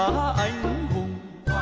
thanh hoa anh hùng